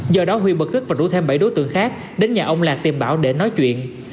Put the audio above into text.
do đó huy bật thức và rút thêm bảy đối tượng khác đến nhà ông lạc tìm bảo để nói chuyện